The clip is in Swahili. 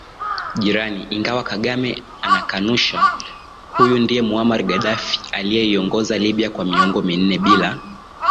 jirani ingawa Kagame anakanushaHuyu ndiye Muammar Gaddafi aliyeiongoza Libya kwa miongo minne bila